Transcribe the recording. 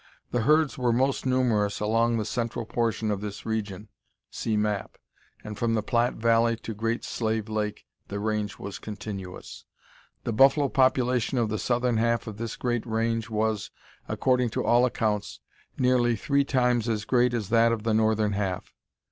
The herds were most numerous along the central portion of this region (see map), and from the Platte Valley to Great Slave Lake the range was continuous. The buffalo population of the southern half of this great range was, according to all accounts, nearly three times as great as that of the northern half.